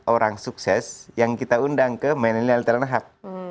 orang sukses yang kita undang ke manila talent hub